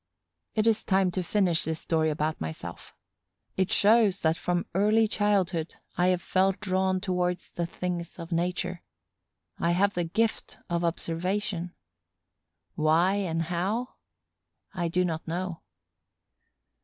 It is time to finish this story about myself. It shows that from early childhood I have felt drawn towards the things of nature. I have the gift of observation. Why and how? I do not know.